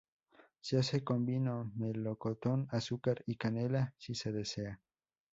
Se hace con vino, melocotón, azúcar y canela si se desea.